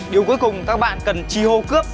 điều cuối cùng các bạn cần trì hô cướp